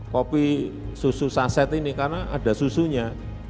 kopi susu saset ini karena ada susunya